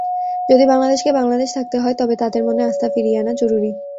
যদি বাংলাদেশকে বাংলাদেশ থাকতে হয়, তবে তাদের মনে আস্থা ফিরিয়ে আনা জরুরি।